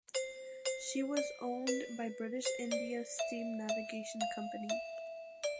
She was owned by British India Steam Navigation Company.